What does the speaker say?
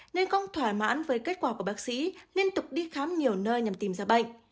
nên không thỏa mãn với kết quả của bác sĩ liên tục đi khám nhiều nơi nhằm tìm ra bệnh